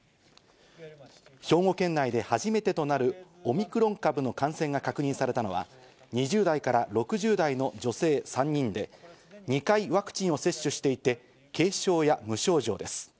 兵庫県内で初めてとなるオミクロン株の感染が確認されたのは、２０代から６０代の女性３人で、２回ワクチンを接種していて、軽症や無症状です。